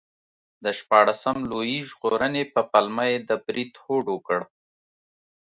د شپاړسم لویي ژغورنې په پلمه یې د برید هوډ وکړ.